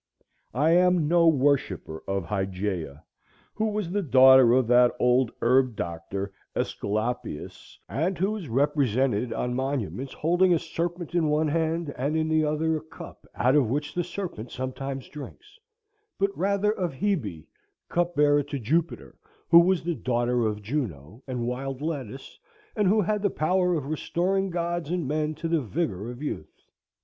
I am no worshipper of Hygeia, who was the daughter of that old herb doctor Æsculapius, and who is represented on monuments holding a serpent in one hand, and in the other a cup out of which the serpent sometimes drinks; but rather of Hebe, cupbearer to Jupiter, who was the daughter of Juno and wild lettuce, and who had the power of restoring gods and men to the vigor of youth.